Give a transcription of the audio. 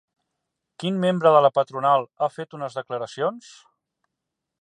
Quin membre de la patronal ha fet unes declaracions?